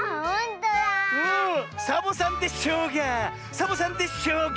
サボさんで「しょうが」！